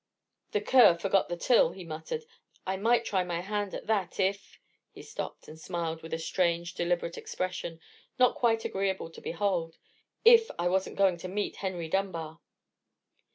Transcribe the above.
"The cur forgot the till," he muttered; "I might try my hand at that, if—" He stopped and smiled with a strange, deliberate expression, not quite agreeable to behold—"if I wasn't going to meet Henry Dunbar."